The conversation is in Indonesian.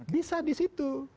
bisa di situ